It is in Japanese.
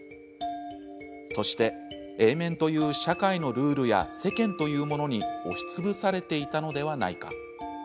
そしてＡ面という社会のルールや世間というものに押しつぶされていたのではないか。